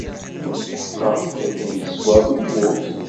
Tetḥeqqed dakken teskeṛ tewwurt?